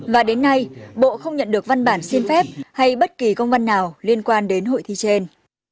và đến nay bộ không nhận được văn bản xin phép hay bất kỳ công văn nào liên quan đến hội thi trên